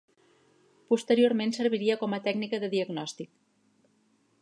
Posteriorment serviria com a tècnica de diagnòstic.